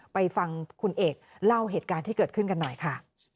ไปฟังคุณเอกเล่าเหตุการณ์ที่เกิดขึ้นกันหน่อยค่ะ